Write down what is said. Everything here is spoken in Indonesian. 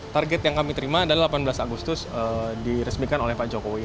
target yang kami terima adalah delapan belas agustus diresmikan oleh pak jokowi